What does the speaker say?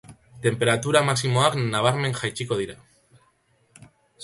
Tenperatura maximoak nabarmen jaitsiko dira.